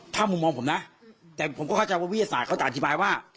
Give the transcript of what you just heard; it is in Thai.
ถ้ามุมมองผมนะแต่ผมก็เข้าใจว่าวิทยาศาสตร์เขาจะอธิบายว่า